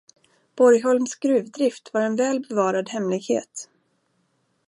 Borgholms gruvdrift var en väl bevarad hemlighet